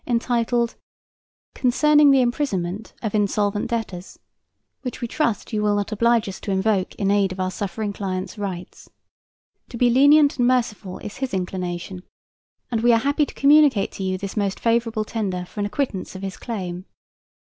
entitled, "Concerning the Imprisonment of Insolvent Debtors," which we trust you will not oblige us to invoke in aid of our suffering client's rights. To be lenient and merciful is his inclination, and we are happy to communicate to you this most favorable tender for an acquittance of his claim.